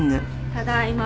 ただいま。